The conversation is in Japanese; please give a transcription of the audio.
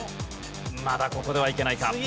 まだここではいけないか。